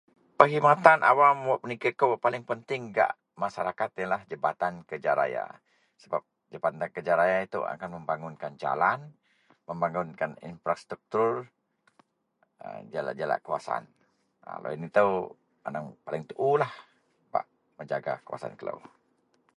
Gak negara telou itou seneng bak memulakan bisnes sebap kerajaan idak mendorong jegem menggalakkan telou berbisnes walaupuun umit telou nejuah peruntukkan jegem nejuah sabsidi bak memulakan bisnes